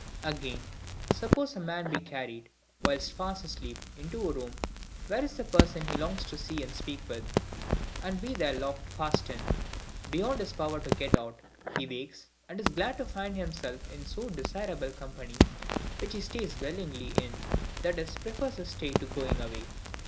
Again: suppose a man be carried, whilst fast asleep, into a room where is a person he longs to see and speak with; and be there locked fast in, beyond his power to get out: he awakes, and is glad to find himself in so desirable company, which he stays willingly in, i. e. prefers his stay to going away.